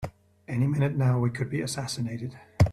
Any minute now we could be assassinated!